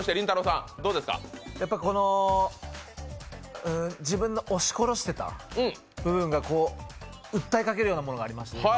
やっぱ、この自分の押し殺してた部分が訴えかけるものがありました。